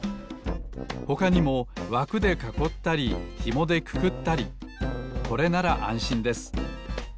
ほかにもわくでかこったりひもでくくったりこれならあんしんです。